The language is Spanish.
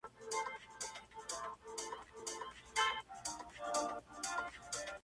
En París oyó que la Orquesta Sinfónica de Cincinnati necesitaba un nuevo director.